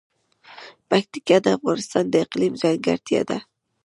پکتیکا د افغانستان د اقلیم ځانګړتیا ده.